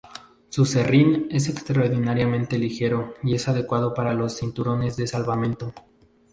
Su serrín es extraordinariamente ligero y es adecuado para los cinturones de salvamento.